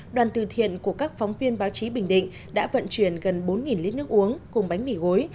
đoàn từ thiện của các phóng viên báo chí bình định đã vận chuyển gần bốn lít nước uống cùng bánh mì gối